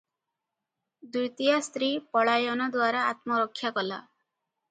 ଦ୍ୱିତୀୟା ସ୍ତ୍ରୀ ପଳାୟନ ଦ୍ୱାରା ଆତ୍ମରକ୍ଷା କଲା ।